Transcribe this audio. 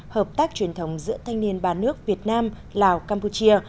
hợp tác truyền thống giữa thanh niên ba nước việt nam lào campuchia